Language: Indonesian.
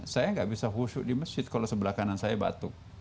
saya nggak bisa husuk di masjid kalau sebelah kanan saya batuk